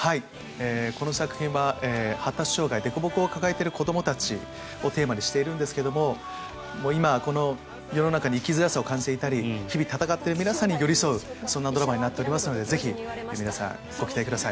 この作品は発達障害、でこぼこを抱えている子どもたちをテーマにしているんですが今、この世の中に生きづらさを感じていたり日々闘っている皆さんに寄り添うそんなドラマになっていますのでぜひ皆さん、ご期待ください。